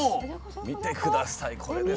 見て下さいこれです。